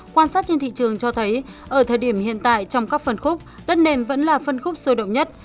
quan sát trên thị trường cho thấy ở thời điểm hiện tại trong các phân khúc đất nền vẫn là phân khúc sôi động nhất